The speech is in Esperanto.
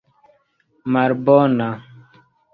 malbona